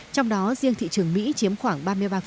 trong đó riêng thị trường mỹ chiếm khoảng ba mươi ba